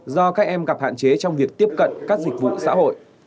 do các em gặp hạn chế trong việc tiếp cận các dịch vụ xã hội